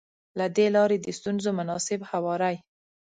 له دې لارې د ستونزو مناسب هواری.